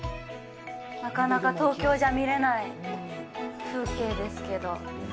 なかなか東京じゃ見れない風景ですけど。